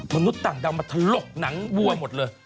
มนุษย์ต่างดาวมาถลกหนังวัวหมดเลย